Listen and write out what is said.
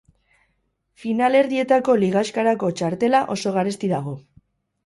Finalerdietako ligaxkarako txartela oso garesti dago.